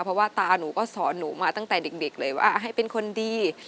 เพราะว่าตาหนูก็สอนหนูมาตั้งแต่เด็กเลยว่าให้เป็นคนดี